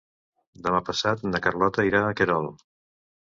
Demà passat na Carlota irà a Querol.